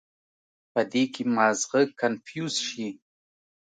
پۀ دې کښې مازغه کنفيوز شي